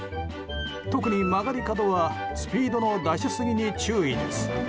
特に曲がり角はスピードの出しすぎに注意です。